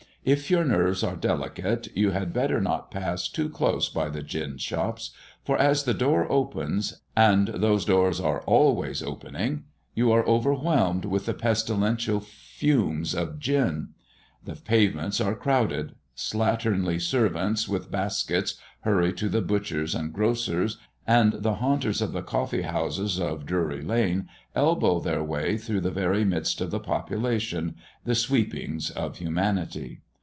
If your nerves are delicate, you had better not pass too close by the gin shops, for as the door opens and those doors are always opening you are overwhelmed with the pestilential fumes of gin. The pavements are crowded. Slatternly servants with baskets hurry to the butchers and grocers, and the haunters of the coffee houses of Drury lane elbow their way through the very midst of the population the sweepings of humanity.